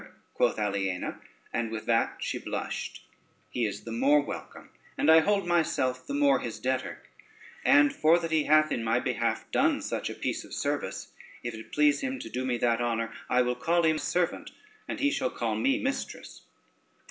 quoth Aliena, and with that she blushed, "he is the more welcome, and I hold myself the more his debtor; and for that he hath in my behalf done such a piece of service, if it please him to do me that honor, I will call him servant, and he shall call me mistress."